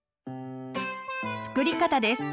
作り方です。